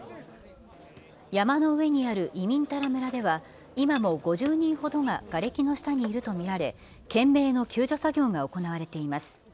山の上にあるイミンタラ村では、今も５０人ほどががれきの下にいると見られ、懸命の救助作業が行われています。